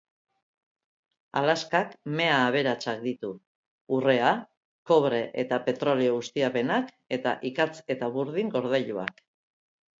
Alaskak mea aberatsak ditu: urrea, kobre eta petrolio ustiapenak eta ikatz eta burdin gordailuak.